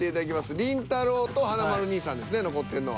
りんたろー。と華丸兄さんですね残ってんのは。